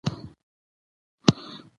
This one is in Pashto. چې هر څومره وخت تېر کړې